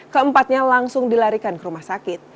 keempatnya langsung dilarikan ke rumah sakit